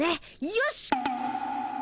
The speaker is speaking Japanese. よし！